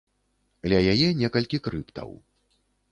Ля яе некалькі крыптаў.